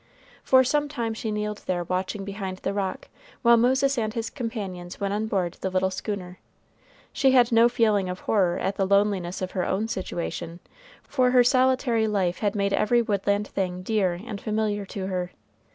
For some time she kneeled there watching behind the rock, while Moses and his companions went on board the little schooner. She had no feeling of horror at the loneliness of her own situation, for her solitary life had made every woodland thing dear and familiar to her.